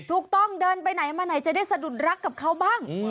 ถูกต้องเดินไปไหนมาไหนจะได้สะดุดรักกับเขาบ้าง